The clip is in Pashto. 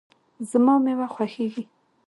زما مېوه خوښیږي